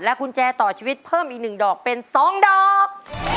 กุญแจต่อชีวิตเพิ่มอีก๑ดอกเป็น๒ดอก